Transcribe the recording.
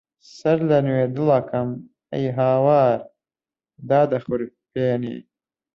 سەرلەنوێ دڵەکەم ئەی هاوار دادەخورپێنێ